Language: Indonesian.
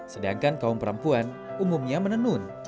sedangkan kaum perempuan umumnya menenun